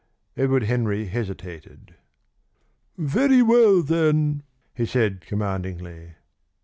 Edward Henry hesitated. "Very well, then!" he said commandingly.